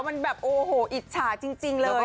มันแบบโอ้โหอิจฉาจริงเลย